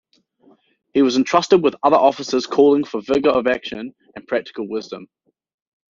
He was entrusted with other offices calling for vigour of action and practical wisdom.